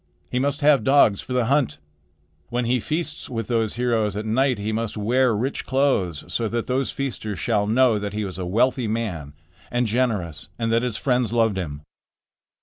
He must have dogs for the hunt. When he feasts with those heroes at night he must wear rich clothes, so that those feasters shall know that he was a wealthy man and generous, and that his friends loved him."